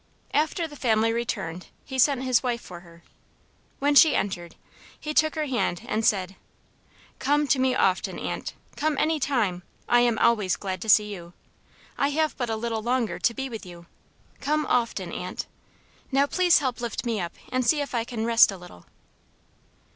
After the family returned he sent his wife for her. When she entered, he took her hand, and said, "Come to me often, Aunt. Come any time, I am always glad to see you. I have but a little longer to be with you, come often, Aunt. Now please help lift me up, and see if I can rest a little."